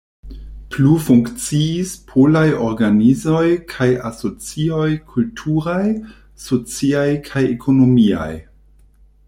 Plu funkciis polaj organizoj kaj asocioj kulturaj, sociaj kaj ekonomiaj.